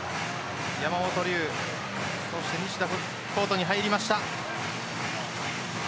山本龍そして西田がコートに入りました。